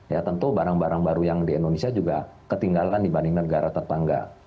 ya tentu barang barang baru yang di indonesia juga ketinggalan dibanding negara tetangga